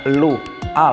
gua lu al sama si hacker